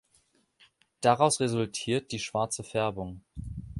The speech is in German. Daraus resultiert die schwarze Färbung.